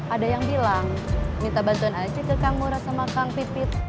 ada yang bilang minta bantuan aja ke kang ngurah sama kang pipit